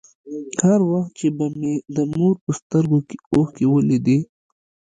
هر وخت چې به مې د مور په سترگو کښې اوښکې ولېدې.